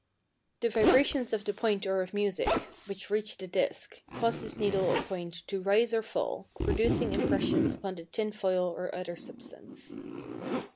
The vibrations of the voice or of music, which reach the disc, cause this needle or point to rise or fall, producing impressions upon the tin foil or other substance.